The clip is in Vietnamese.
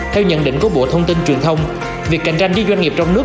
theo nhận định của bộ thông tin truyền thông việc cạnh tranh với doanh nghiệp trong nước